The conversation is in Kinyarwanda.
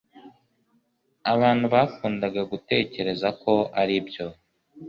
Abantu bakundaga gutekereza ko aribyo